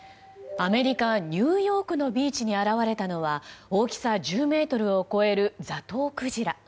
アメリカ・ニューヨークのビーチに現れたのは大きさ１０ｍを超えるザトウクジラ。